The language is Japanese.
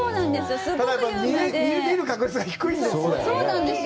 そうなんです。